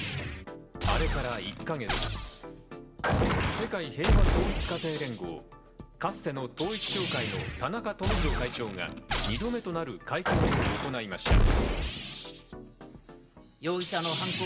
あれから１か月、世界平和統一家庭連合、かつての統一教会の田中富広会長が２度目となる会見を行いました。